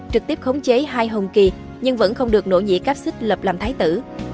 trực tiếp khống chế hai hồng kỳ nhưng vẫn không được nội nhị cáp xích lập làm thái tử